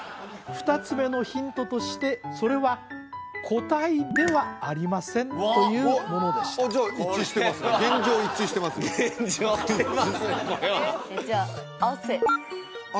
２つ目のヒントとしてそれは個体ではありませんというものでしたじゃあ一致してますね現状一致してますよ現状ってこれはじゃあ汗汗